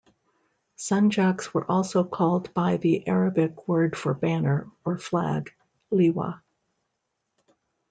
Sanjaks were also called by the Arabic word for banner or flag: "liwa".